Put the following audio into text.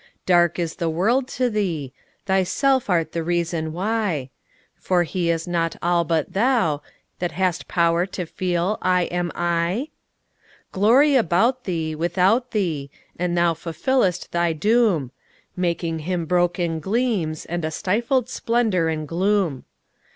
Dark is the world to thee: thyself art the reason why; For is He not all but thou, that hast power to feel 'I am I'?Glory about thee, without thee; and thou fulfillest thy doom, Making Him broken gleams, and a stifled splendour and gloom.